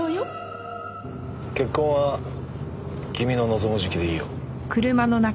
結婚は君の望む時期でいいよ。